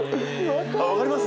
あっ分かります？